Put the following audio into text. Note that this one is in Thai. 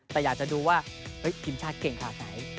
แต่อยากจะดูว่าทีมชาติเก่งขนาดไหน